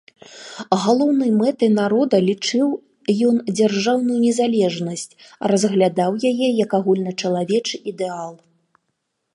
Галоўнай мэтай народа лічыў ён дзяржаўную незалежнасць, разглядаў яе як агульначалавечы ідэал.